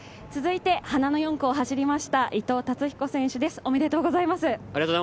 続いて花の４区を走りました伊藤達彦選手です、おめでとうございます。